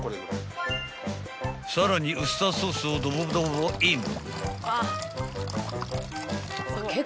［さらにウスターソースをドボドボイン］